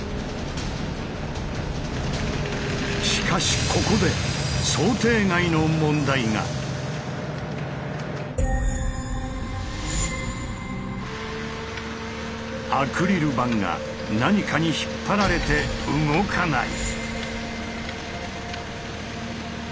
しかしここでアクリル板が何かに引っ張られて動かない。